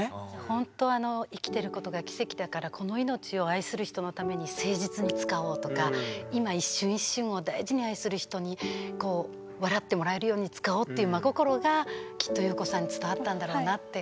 ほんとあの生きてることが奇跡だからこの命を愛する人のために誠実に使おうとか今一瞬一瞬を大事に愛する人にこう笑ってもらえるように使おうっていう真心がきっと裕子さんに伝わったんだろうなって。